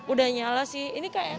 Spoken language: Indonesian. udah nyala sih ini kayak